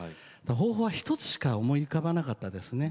方法は１つしか思い浮かばなかったですね。